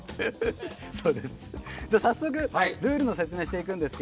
早速ルールの説明をしていきます。